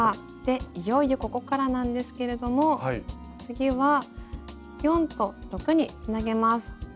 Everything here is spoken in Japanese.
いよいよここからなんですけれども次は４と６につなげます。